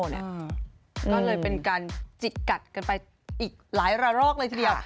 ก็เลยเป็นการจิกกัดกันไปอีกหลายระรอกเลยทีเดียว